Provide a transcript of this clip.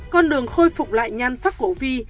con đường khôi phục lại nhan sắc của vy